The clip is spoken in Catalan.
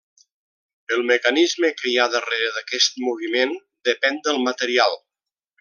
El mecanisme que hi ha darrere d'aquest moviment depèn del material.